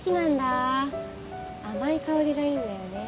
甘い香りがいいんだよね